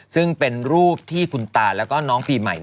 ซึ่งเป็นรูปที่คุณตาแล้วก็น้องปีใหม่